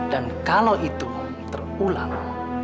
dan kalau itu terulang